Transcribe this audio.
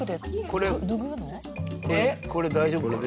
これ大丈夫かな？